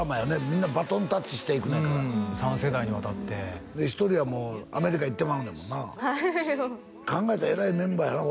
みんなバトンタッチしていくねんから３世代にわたって１人はもうアメリカ行ってまうねんもんなはい考えたらえらいメンバーやな